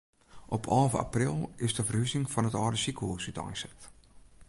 Op alve april is de ferhuzing fan it âlde sikehûs úteinset.